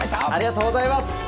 ありがとうございます。